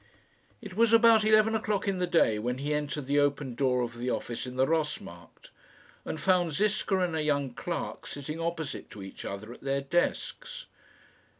It was about eleven o'clock in the day when he entered the open door of the office in the Ross Markt, and found Ziska and a young clerk sitting opposite to each other at their desks.